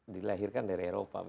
dilahirkan dari eropa